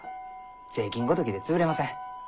税金ごときで潰れません。